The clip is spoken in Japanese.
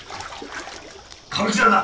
歌舞伎座だ！